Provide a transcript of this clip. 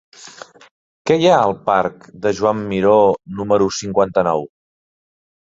Què hi ha al parc de Joan Miró número cinquanta-nou?